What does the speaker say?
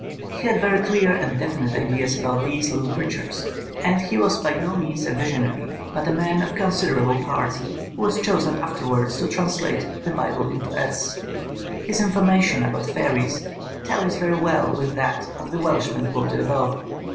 He had very clear and definite ideas about these little creatures, and he was by no means a visionary, but a man of considerable parts, who was chosen afterwards to translate the Bible into Erse. His information about fairies tallies very well with that of the Welshman quoted above.